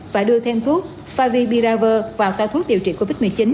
và đưa thêm thuốc favipiravir vào ca thuốc điều trị covid một mươi chín